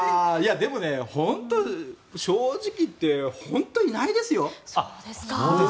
でも、本当に正直言って本当にいないですよ。